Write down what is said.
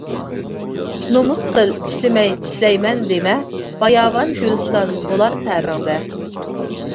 نومۇس قىل، ئىشلىمەي چىشلەيمەن دېمە، باياۋان گۈلىستان بولار تەرىڭدە.